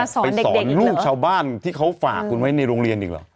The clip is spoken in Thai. มาสอนเด็กเด็กอีกเหรอไปสอนลูกชาวบ้านที่เขาฝากคุณไว้ในโรงเรียนอีกหรอ